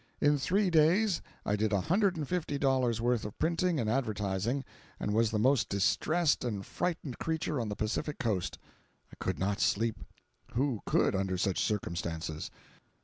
In three days I did a hundred and fifty dollars' worth of printing and advertising, and was the most distressed and frightened creature on the Pacific coast. I could not sleep—who could, under such circumstances?